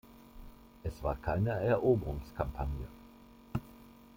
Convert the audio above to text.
Es war keine Eroberungskampagne.